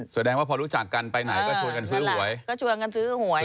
แสดงว่าพอรู้จักกันไปไหนก็ชวนกันซื้อหวย